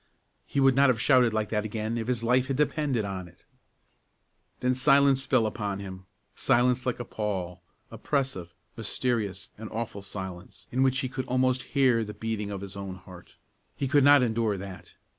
He would not have shouted like that again if his life had depended on it. Then silence fell upon him; silence like a pall oppressive, mysterious and awful silence, in which he could almost hear the beating of his own heart. He could not endure that.